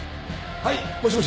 はいもしもし。